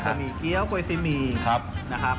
บะหมี่เกี้ยวก้วยซีมีนะครับ